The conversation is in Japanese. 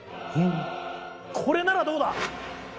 これならどうだ！